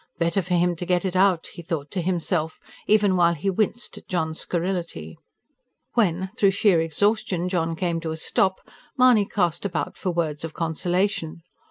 "Better for him to get it out," he thought to himself, even while he winced at John's scurrility. When, through sheer exhaustion, John came to a stop, Mahony cast about for words of consolation.